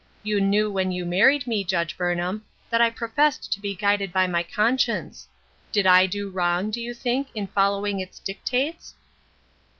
You knew when you married me, Judge Burnham, that I professed to be guided by my conscience. Did I do wrong, do you think, in following its dictates